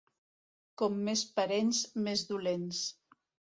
Com més parents, més dolents.